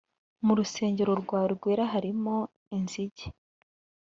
mu rusengero rwawe rwera harimo inzige